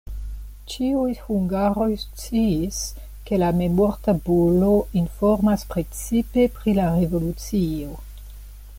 Ĉiuj hungaroj sciis, ke la memortabulo informas precipe pri la revolucio.